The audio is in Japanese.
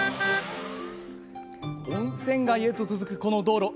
温泉街へと続くこの道路。